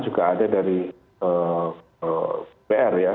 juga ada dari pr ya